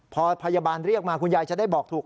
พอพยาบาลเรียกมาคุณยายจะได้บอกถูก